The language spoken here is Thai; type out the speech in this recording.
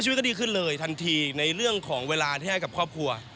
ก็ดีขึ้นเลยทันทีในเรื่องของเวลาที่ให้กับครอบครัว